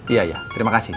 iya iya terima kasih